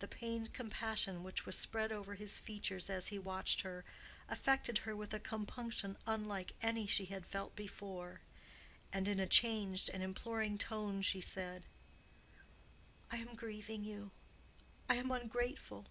The pained compassion which was spread over his features as he watched her, affected her with a compunction unlike any she had felt before, and in a changed and imploring tone she said, "I am grieving you. I am ungrateful.